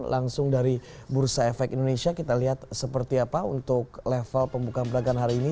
langsung dari bursa efek indonesia kita lihat seperti apa untuk level pembukaan peragaan hari ini